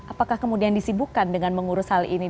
apakah kemudian disibukan dengan mengurus hal ini